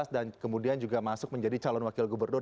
dan kemudian juga masuk menjadi calon wakil gubernur